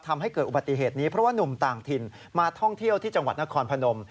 ทำให้เกิดอุบัติเหตุนี้เพราะว่านุ่มต่างถิ่นมาท่องเที่ยวที่จังหวัดนครพนม